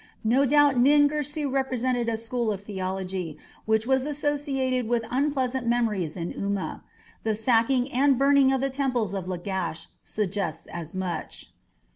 No doubt Nin Girsu represented a school of theology which was associated with unpleasant memories in Umma. The sacking and burning of the temples of Lagash suggests as much.